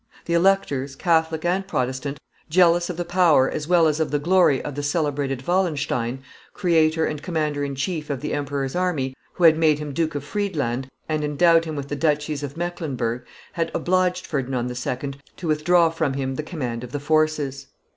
The electors, Catholic and Protestant, jealous of the power as well as of the glory of the celebrated Wallenstein, creator and commander in chief of the emperor's army, who had made him Duke of Friedland, and endowed him with the duchies of Mecklenburg, had obliged Ferdinand II. to withdraw from him the command of the forces.